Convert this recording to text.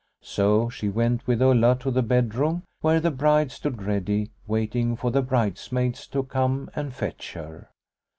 So she went with Ulla to the bedroom where the bride stood ready, waiting for the bridesmaids to come and fetch her.